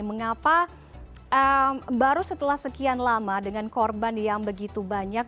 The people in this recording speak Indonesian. mengapa baru setelah sekian lama dengan korban yang begitu banyak